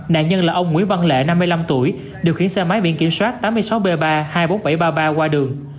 nạn nhân là ông nguyễn văn lệ năm mươi năm tuổi điều khiển xe máy biển kiểm soát tám mươi sáu b ba hai mươi bốn nghìn bảy trăm ba mươi ba qua đường